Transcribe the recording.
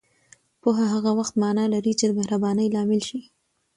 پوهه هغه وخت معنا لري چې دمهربانۍ لامل شي